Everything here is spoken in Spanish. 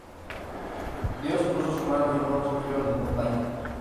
Dios puso su mano y no sufrieron ningún daño.